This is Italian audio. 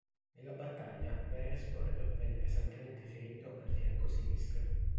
Nella battaglia Beresford venne pesantemente ferito al fianco sinistro.